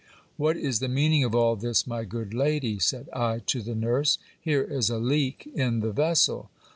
What is the meaning of all this, my good lady ? said I to the nurse. Here is a leak in the vessel.